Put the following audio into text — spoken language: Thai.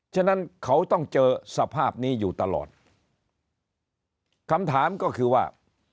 ฉะนั้นเขาต้องเจอสภาพนี้อยู่ตลอดคำถามก็คือว่า